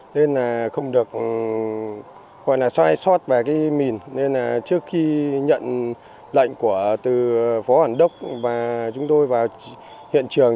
nên không được sai sót vào mìn trước khi nhận lệnh của phó hoàn đốc và chúng tôi vào hiện trường